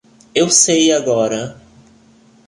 Eu sei agora.